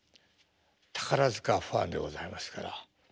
宝塚ファンでございますから。